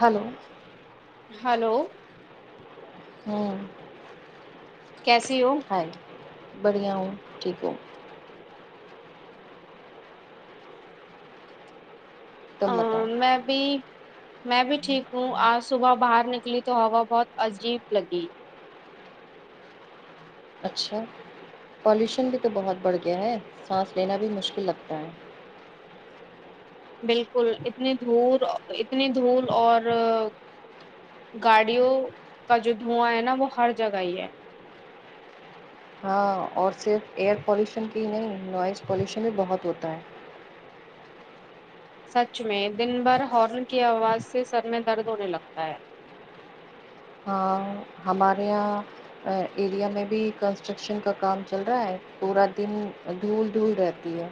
hello hello ہوں کیسی ہوں ہائے بڑھیا ہوں ٹھیک ہوں آ تم بتاؤ میں بھی میں بھی ٹھیک ہوں آج صبح باہر نکلی تو ہوا بہت عجیب لگی اچھا پولیوشن بھی تو بہت بڑھ گیا ہے سانس لینا بھی مشکل لگتا ہے بالکل اتنی دھول اتنی دھول اور گاڑیوں کا جو دھواں ہے ناں وہ ہر جگہ ہی ہے ہاں اور صرف ایئر پولیوشن کی ہی نہیں نوائز پولیوشن بھی بہت ہوتا ہے سچ میں دن بھر ہارن کی آواز سے سر میں درد ہونے لگتا ہے ہاں ہمارے یہاں ایریا میں بھی کنسٹرکشن کا کام چل رہا ہے پورا دن دھول دھول رہتی ہے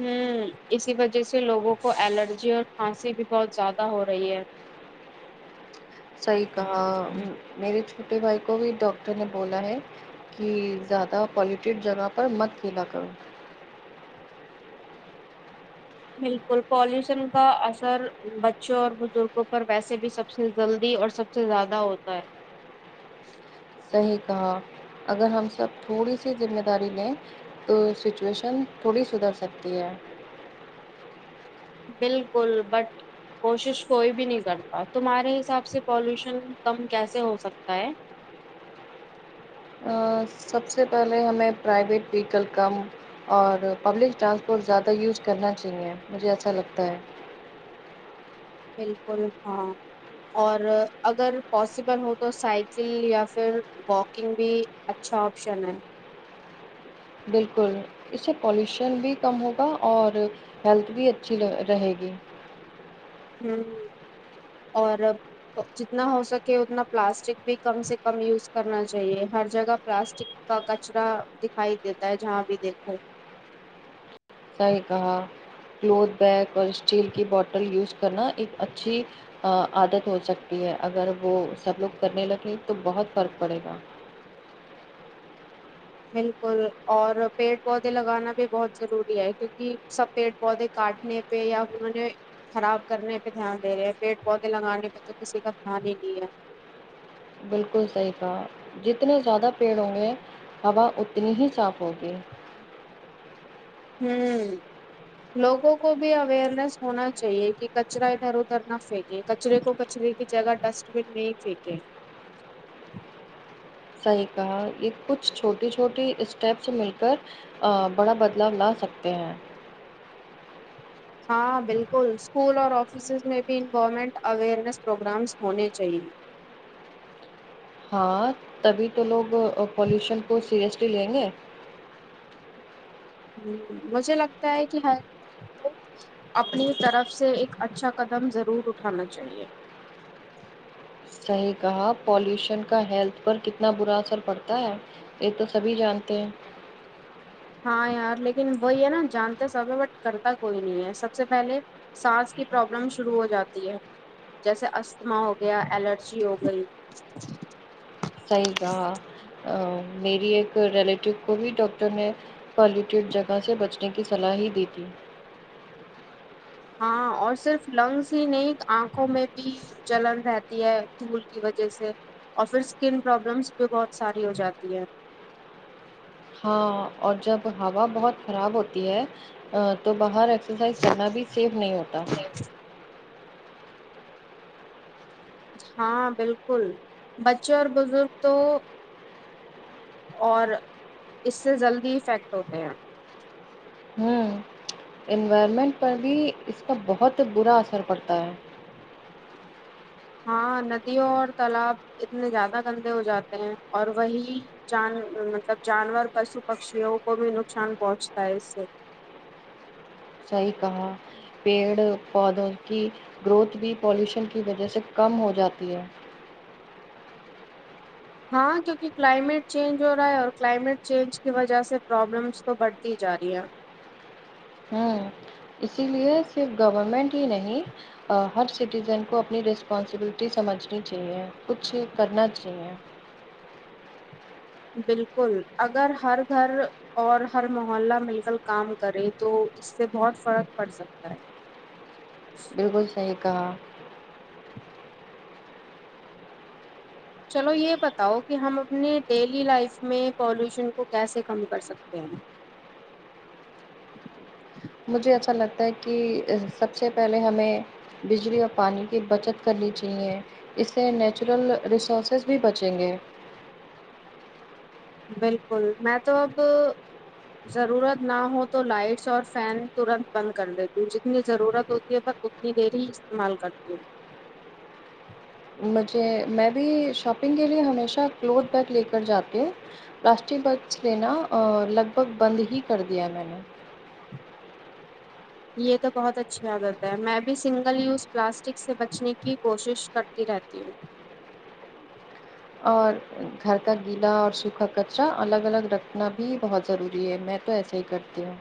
ہوں اسی وجہ سے لوگوں کو الرجی اور کھانسی بھی بہت زیادہ ہو رہی ہے صحیح کہا میرے چھوٹے بھائی کو بھی ڈاکٹر نے بولا ہے کہ زیادہ پالیوٹیڈ جگہ پر مت کھیلا کرو بالکل پالیوشن کا اثر بچوں اور بزرگوں پر ویسے بھی سب سے جلدی اور سب سے زیادہ ہوتا ہے صحیح کہا اگر ہم سب تھوڑی سی ذمہ داری لیں تو سچویشن تھوڑی سدھر سکتی ہے بالکل بٹ کوشش کوئی بھی نہیں کرتا تمہارے حساب سے پالوشن کم کیسے ہوسکتا ہے سب سے پہلے ہمیں پرائیویٹ ویکل کم اور پبلک ٹرانسپورٹ زیادہ یوز کرنا چاہیے مجھے ایچھا لگتا ہے بالکل ہاں اور اگر پاسبل ہو تو سائیکل یا پھر واکنگ بھی اچھا آپشن ہے بالکل اس سے پالوشن بھی کم ہوگا اور ہیلتھ بھی اچھی رہے گی ہوں اور اب جتنا ہو سکے اتنا پلاسٹک بھی کم سے کم یوز کرنا چاہیے ہر جگہ پلاسٹک کا کچرا دکھائی دیتا ہے جہاں بھی دیکھو صحیح کہا کلوتھ بیگ اور اسٹیل کی بوٹل یوز کرنا ایک اچھی عادت ہوسکتی ہے اگر وہ سب لوگ کرنے لگیں تو بہت فرق پڑے گا بالکل اور پیڑ پودے لگانا بھی بہت ضروری ہے کیونکہ سب پیڑ پودے کاٹنے پہ یا انہوں نے خراب کرنے پہ دھیان دے رہے ہیں پیڑ پودے لگانے پہ تو کسی کا دھیان ہی نہیں ہے بالکل صحیح کہا جتنے زیادہ پیڑ ہوں گے ہوا اتنی ہی صاف ہوگی ہوں لوگوں کو بھی اویئرنیس ہونا چاہیے کہ کچرا ادھر ادھر نہ پھیکے کچرے کو کچرے کی جگہ ڈسٹ بن میں ہی پھینکے صحیح کہا یہ کچھ چھوٹی چھوٹی اسٹیپس مل کر بڑا بدلاؤ لا سکتے ہیں ہاں بالکل اسکول اور آفسز میں بھی انوورمنٹ اویئرنیس پروگرامس ہونے چاہیے ہاں تبھی تو لوگ پالیوشن کو سیریسلی لیں گے ہوں مجھے لگتا ہے کہ ہر اپنی طرف سے ایک اچھا قدم ضرور اٹھانا چاہیے صحیح کہا پالیوشن کا ہیلتھ پر کتنا برا اثر پڑتا ہے یہ تو سبھی جانتے ہیں ہاں یار لیکن وہی ہے ناں جانتے سب ہے بٹ کرتا کوئی نہیں ہے سب سے پہلے سانس کی پرابلم شروع ہوجاتی ہے جیسے استھما ہوگیا الرجی ہوگئی صحیح کہا میری ایک ریلیٹیو کو بھی ڈاکٹر نے پالیوٹیڈ جگہ سے بچنے کی صلاح ہی دی تھی ہاں اور صرف لنگس ہی نہیں آنکھوں میں بھی چلن رہتی ہے دھول کی وجہ سے اور پھر اسکن پرابلمس بھی بہت ساری ہو جاتی ہے ہاں اور جب ہوا بہت خراب ہوتی ہے ا تو باہر ایکسرسائز کرنا بھی سیف نہیں ہوتا ہاں بالکل بچوں اور بزرگ تو اور اس سے جلدی افیکٹ ہوتے ہیں ہوں انوائرمنٹ پر بھی اس کا بہت برا اثر پڑتا ہے ہاں ندیوں اور تالاب اتنے زیادہ گندے ہو جاتے ہیں اور وہی جان مطلب جانور پشو پکشیوں کو بھی نقصان پہنچتا ہے اس سے صحیح کہا پیڑ پودوں کی گروتھ بھی پالوشن کی وجہ سے کم ہو جاتی ہے ہاں کیونکہ کلائمیٹ چینج ہو رہا ہے اور کلائمیٹ چینج کی وجہ سے پرابلمس تو بڑھتی جا رہی ہے ہوں اسی لیے صرف گورنمنٹ ہی نہیں ہر سٹیزن کو اپنی رسپانسبلٹی سمجھنی چاہیے کچھ کرنا چاہیے بالکل اگر ہر گھر اور ہر محلہ مل کر کام کرے تو اس سے بہت فرق پڑ سکتا ہے بالکل صحیح کہا چلو یہ بتاؤ کہ ہم اپنے ڈیلی لائف میں پالوشن کو کیسے کم کر سکتے ہیں مجھے ایسا لگتا ہے کہ سب سے پہلے ہمیں بجلی اور پانی کی بچت کرنی چاہیے اس سے نیچرل ریسورسز بھی بچیں گے بالکل میں تو اب ضرورت نہ ہو تو لائٹس اور فین ترنت بند کر دیتی ہوں جتنی ضرورت ہوتی ہے ب اتنی دیر ہی استعمال کرتی ہوں مجھے میں بھی شاپنگ کے لیے ہمیشہ کلوتھ بیگ لے کر جاتی ہوں پلاسٹک بیگس لینا لگ بھگ بند ہی کر دیا میں نے یہ تو بہت اچھی عادت ہے میں بھی سنگل یوز پلاسٹک سے بچنے کی کوشش کرتی رہتی ہوں اور گھر کا گیلا اور سوکھا کچرا الگ الگ رکھنا بھی بہت ضروری ہے میں میں تو ایسے ہی کرتی ہوں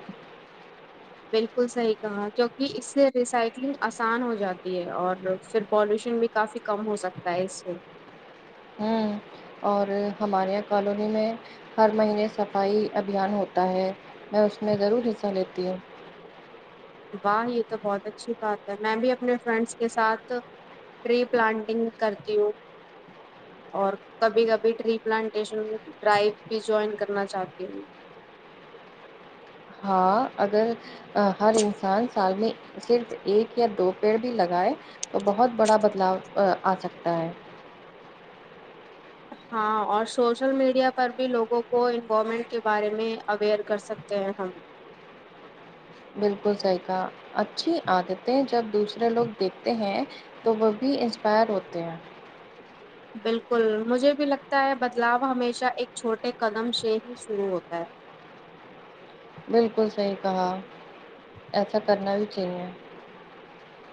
بالکل صحیح کہا کیونکہ اس سے ریسائکلنگ آسان ہو جاتی ہے اور پھر پالوشن بھی کافی کم ہو سکتا ہے اس سے ہوں اور ہمارے یہاں کالونی میں ہر مہینے صفائی ابھیان ہوتا ہے میں اس میں ضرور حصہ لیتی ہوں واہ یہ تو بہت اچھی بات ہے میں بھی اپنے فرینڈس کے ساتھ ٹری پلانٹنگ کر تی ہوں اور کبھی کبھی ٹری پلانٹیشن ڈرائیو بھی جوائن کرنا چاہتی ہوں ہاں اگر ہر انسان سال میں صرف ایک یا دو پیڑ بھی لگائے تو بہت بڑا بدلاؤ آ سکتا ہے ہاں اور سوشل میڈیا پر بھی لوگوں کو انوائمنٹ کے بارے میں اویئر کر سکتے ہیں ہم بالکل صحیح کہا اچھی عادتیں جب دوسرے لوگ دیکھتے ہیں تو وہ بھی انسپائر ہوتے ہیں بالکل مجھے بھی لگتا ہے بدلاؤ ہمیشہ ایک چھوٹے قدم سے ہی شروع ہوتا ہے بالکل صحیح کہا ایسا کرنا بھی چاہیے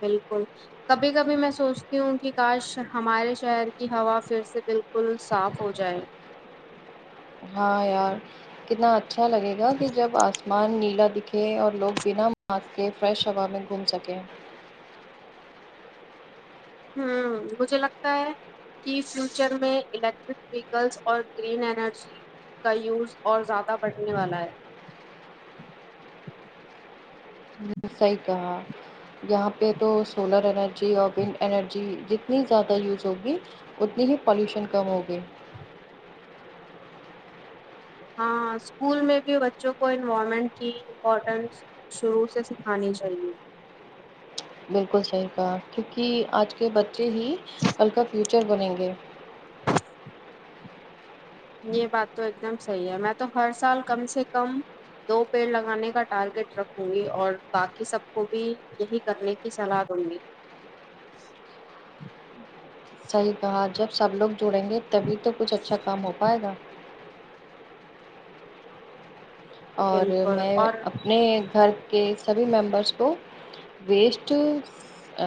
بالکل کبھی کبھی میں سوچتی ہوں کہ کاش ہمارے شہر کی ہوا پھر سے بالکل صاف ہو جائے ہاں یار کتنا اچھا لگے گا کہ جب آسمان نیلا دکھے اور لوگ بنا ماسک کے فریش ہوا میں گھوم سکیں ہمم مجھے لگتا ہے کی فیوچر میں الیکٹرک ویکلس اور گرین انرجی کا یوز اور زیادہ بڑھنے والا ہے صحیح کہا یہاں پہ تو سولر انرجی اور ونڈ انرجی جتنی زیادہ یوز ہوگی اتنی ہی پالوشن کم ہوگی ہاں اسکول میں بھی بچوں کو انوائمنٹ کی امپورٹینس شروع سے سکھانی چاہیے بالکل صحیح کہا کیونکہ آج کے بچے ہی کل کا فیوچر بنیں گے یہ بات تو ایک دم صحیح ہے میں تو ہر سال کم سے کم دو پیڑ لگانے کا ٹارگیٹ رکھوں گی اور باقی سب کو بھی یہی کرنے کی صلاح دوں گی صحیح کہا جب سب لوگ جڑیں گے تبھی تو کچھ اچھا کام ہو پائے گا اور بالکل میں اور اپنے گھر کے سبھی ممبرس کو ویسٹ ا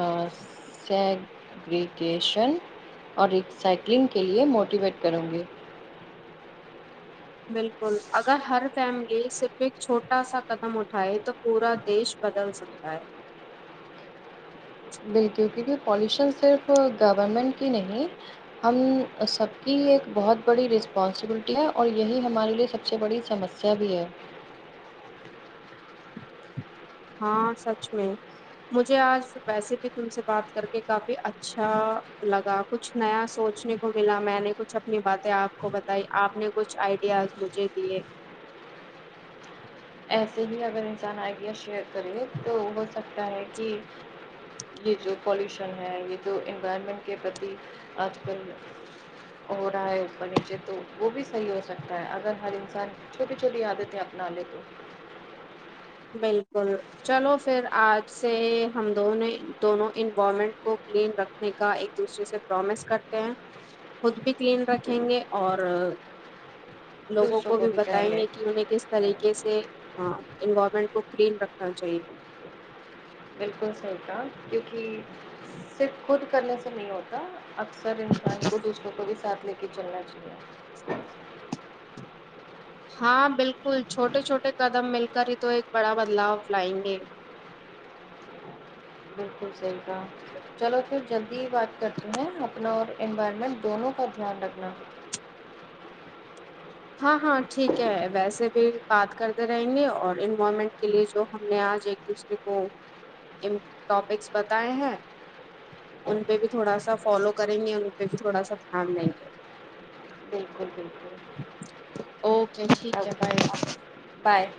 سگریگیشن اور ری سائکلنگ کے لیے موٹیویٹ کروں گی بالکل اگر ہر فیملی صرف ایک چھوٹا سا قدم اٹھائے تو پورا دیش بدل سکتا ہے بالکل کیونکہ پالیوشن صرف گورنمنٹ کی نہیں ہم سب کی ایک بہت بڑی رسپانسبلٹی ہے اور یہی ہمارے لیے سب سے بڑی سمسیا چابی ہے ہاں سچ میں مجھے آج ویسے بھی تم سے بات کر کے کافی اچھا لگا کچھ نیا سوچنے کو ملا میں نے کچھ اپنی باتیں آپ کو بتائی آپ نے کچھ آئی ڈیاس مجھے دیے ایسے ہی اگر انسان آئیڈیا شیئر کرے تو ہو سکتا ہے کہ یہ جو پالوشن ہے یہ جو انوائرمنٹ کے پرتی آج کل ہو رہا ہے اوپر نیچے تو وہ بھی صحیح ہو سکتا ہے اگر ہر انسان چھوٹی چھوٹی عادتیں اپنا لے تو بالکل چلو پھر آج سے ہم دوں دونوں انوائرمنٹ کو کلین رکھ نے کا ایک دوسرے سے پرومس کرتے ہیں خود بھی کلین رکھیں گے اور لوگوں کو بھی بتائیں گے کہ انہیں کس طریقے سے انو کو کلین رکھنا چاہیے بالکل صحیح کہا کیونکہ صرف خود کرنے سے نہیں ہوتا اک سر انسان کو دوسروں کو بھی ساتھ لے کے چلنا چاہیے ہاں بالکل چھوٹے چھوٹے قدم مل کر ہی تو ایک بڑا بدلاؤ لائیں گے بالکل صحیح کہا چلو پھر جلدی ہی بات کرتی ہیں اپنا اور انوائرمنٹ دونوں کا دھیان رکھنا ہاں ہاں ٹھیک ہے ویسے بھی بات کرتے رہیں گے اور انوومنٹ کے لیے جو ہم نے آج ایک دوسرے کو ٹاپکس بتائے ہیں ان پہ بھی تھوڑا سا فالو کریں گے اور ان پہ بھی تھوڑا سا دھیان دیں گے بالکل بالکل اوکے ٹھیک اب ہے بائے بائے بائے